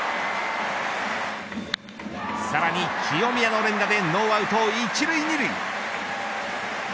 さらに清宮の連打でノーアウト１塁２塁。